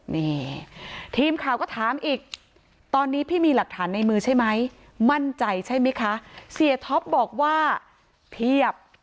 นี่ทีมข่าวก็ถามอีกตอนนี้พี่มีหลักฐานในมือใช่ไหมมั่นใจใช่ไหมคะเสียท็อปบอกว่าเพียบ